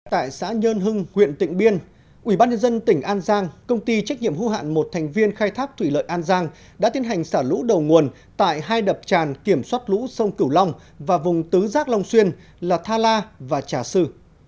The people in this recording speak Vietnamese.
tại xã nhơn hưng huyện tịnh biên ubnd tỉnh an giang công ty trách nhiệm hữu hạn một thành viên khai thác thủy lợi an giang đã tiến hành xả lũ đầu nguồn tại hai đập tràn kiểm soát lũ sông cửu long và vùng tứ giác long xuyên là thala và trà sư